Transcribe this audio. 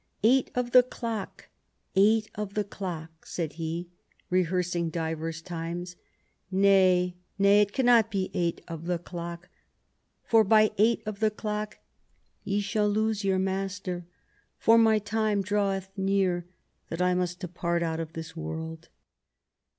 —* Eight of the clock, eight of the clock,' said he, rehearsing divers times. 'Nay, nay, it cannot be eight of the clock ; for by eight of the clock ye shall lose your master, for my time draweth near that I must depart out of this world.'